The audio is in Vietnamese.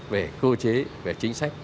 về cơ chế về chính sách